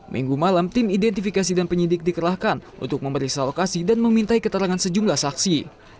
minggu malam tim identifikasi dan penyidik dikerahkan untuk memeriksa lokasi dan memintai keterangan sejumlah saksi